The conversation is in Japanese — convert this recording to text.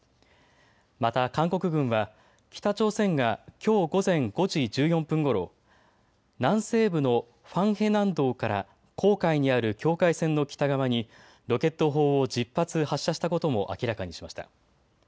また韓国軍は北朝鮮がきょう午前５時１４分ごろ、南西部のファンヘ南道から黄海にある境界線の北側にロケット砲を１０発発射したことも明らかにしました。